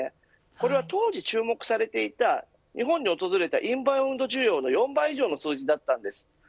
これは当時注目されていた日本に訪れたインバウンド需要の４倍以上の数字だったんです。